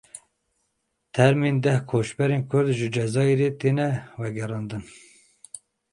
Termên deh koçberên Kurd ji Cezayirê têne vegerandin.